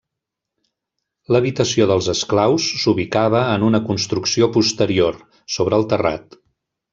L'habitació dels esclaus s'ubicava en una construcció posterior, sobre el terrat.